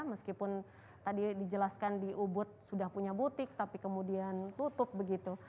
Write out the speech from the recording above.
meskipun tadi dijelaskan di ubud sudah punya butik tapi kemudian tutup begitu